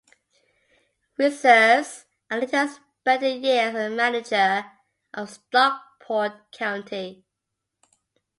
Reserves, and later spent a year as manager of Stockport County.